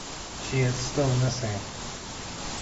She is still missing.